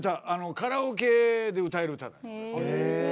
カラオケで歌える歌だね。